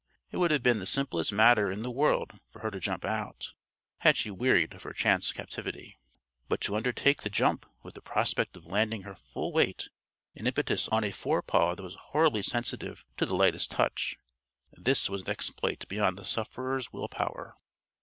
It would have been the simplest matter in the world for her to jump out, had she wearied of her chance captivity. But to undertake the jump with the prospect of landing her full weight and impetus on a forepaw that was horribly sensitive to the lightest touch this was an exploit beyond the sufferer's will power.